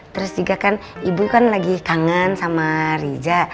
terus juga kan ibu kan lagi kangen sama riza